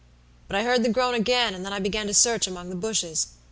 But I heard the groan again, and then I began to search among the bushes.